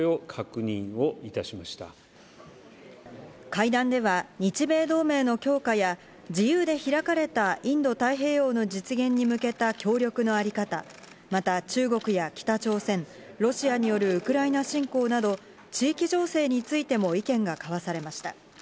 会談では日米同盟の強化や、自由で開かれたインド太平洋の実現に向けた協力のあり方、また中国や北朝鮮、ロシアによるウクライナ侵攻など、地域情勢についても意見が交わされました。